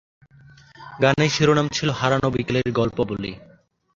গানের শিরোনাম ছিলো ‘হারানো বিকেলের গল্প বলি’।